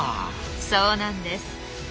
そうなんです。